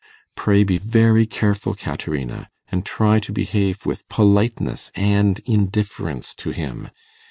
Pray be very careful, Caterina, and try to behave with politeness and indifference to him.